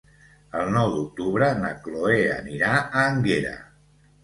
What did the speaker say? El nou d'octubre na Chloé anirà a Énguera.